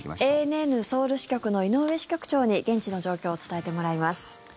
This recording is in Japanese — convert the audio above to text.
ＡＮＮソウル支局の井上支局長に現地の状況を伝えてもらいます。